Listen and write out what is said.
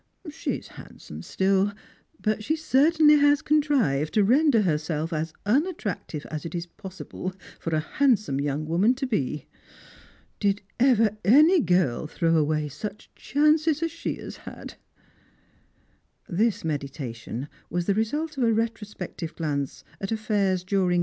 She is handsome rtill ; but she certainly has contrived to render herself as unattrac tive as it is possible for a handsome young woman to be. Did ever any girl throw away such chances as she has had P " This meditation was the result of a retrospective glance at affairs during ]\Irs.